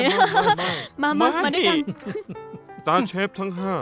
ตาเชฟทั้งห้าต่อไปผมจะเชิญอีกสามท่านมาด้านหน้า